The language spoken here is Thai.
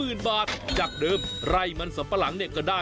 การเปลี่ยนแปลงในครั้งนั้นก็มาจากการไปเยี่ยมยาบที่จังหวัดก้าและสินใช่ไหมครับพี่รำไพ